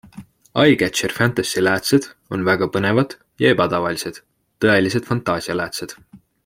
EyeCatcher Fantasy läätsed on väga põnevad ja ebatavalised, tõelised fantaasialäätsed.